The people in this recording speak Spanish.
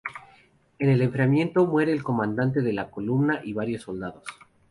En el enfrentamiento muere el comandante de la columna y varios soldados.